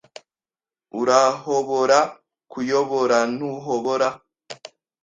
Urahobora kuyoborantuhobora